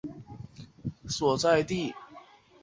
巴彦乃庙位于巴彦淖尔苏木所在地。